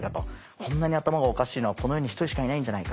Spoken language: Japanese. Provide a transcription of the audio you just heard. こんなに頭がおかしいのはこの世に１人しかいないんじゃないかみたいな。